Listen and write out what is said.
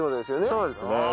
そうですね。